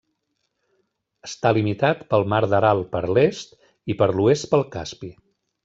Està limitat pel mar d'Aral per l'est i per l'oest pel Caspi.